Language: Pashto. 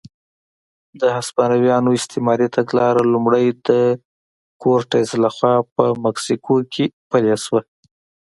د هسپانویانو استعماري تګلاره لومړی د کورټز لخوا په مکسیکو کې پلې شوه.